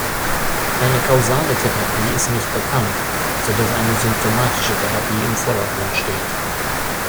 Eine kausale Therapie ist nicht bekannt, so dass eine symptomatische Therapie im Vordergrund steht.